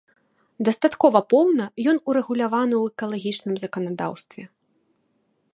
Дастаткова поўна ён урэгуляваны ў экалагічным заканадаўстве.